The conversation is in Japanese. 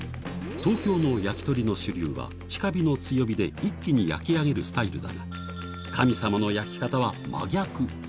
東京の焼き鳥の主流は、近火の強火で一気に焼き上げるスタイルだが、神様の焼き方は真逆。